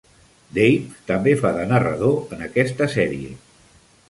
Dave també fa de narrador en aquesta sèrie.